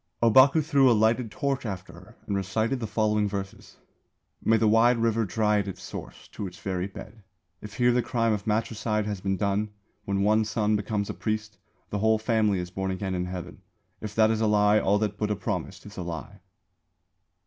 Ōbaku threw a lighted torch after her and recited the following verses: _May the wide river dry at its source, to its very bed If here the crime of matricide has been done; When one son becomes a priest, the whole family is born again in Heaven; If that is a lie, all that Buddha promised is a lie.